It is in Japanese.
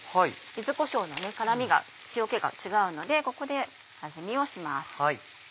柚子こしょうの辛みが塩気が違うのでここで味見をします。